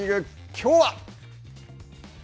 きょうは。